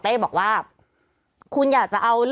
พี่ขับรถไปเจอแบบ